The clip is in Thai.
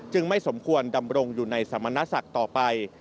ไม่สมควรดำรงอยู่ในสมณศักดิ์ต่อไป